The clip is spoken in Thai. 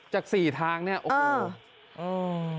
จากสี่ทางเนี่ยโอ้โห